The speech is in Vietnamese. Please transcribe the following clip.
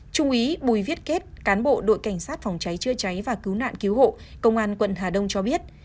trung úy bùi viết kết cán bộ đội cảnh sát phòng cháy chữa cháy và cứu nạn cứu hộ công an quận hà đông cho biết